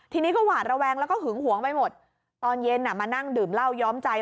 ทีนี้ก็หวาดระแวงแล้วก็หึงหวงไปหมดตอนเย็นมานั่งดื่มเหล้าย้อมใจ